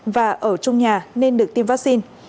và ở trung nhà nên được tiêm vaccine